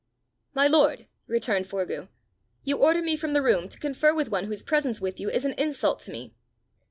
"My lord," returned Forgue, "you order me from the room to confer with one whose presence with you is an insult to me!"